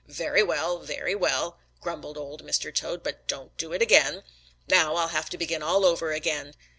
"Very well. Very well," grumbled Old Mr. Toad, "but don't do it again. Now I'll have to begin all over again.